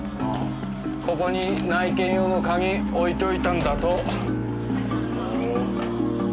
ここに内見用の鍵置いといたんだと。